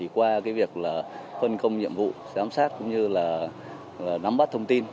qua việc phân công nhiệm vụ giám sát cũng như là nắm bắt thông tin